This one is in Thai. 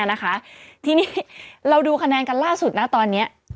นะคะทีนี้เราดูคะแนนกันล่าสุดนะตอนนี้